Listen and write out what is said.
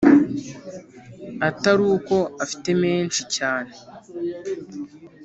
ataruko afite menshi.cyane